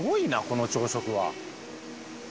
この朝食は。